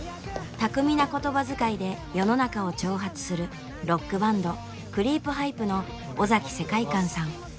巧みな言葉遣いで世の中を挑発するロックバンドクリープハイプの尾崎世界観さん。